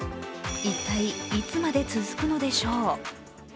一体いつまで続くのでしょう。